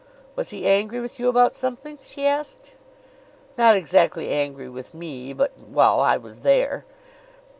"Was he angry with you about something?" she asked. "Not exactly angry with me; but well, I was there."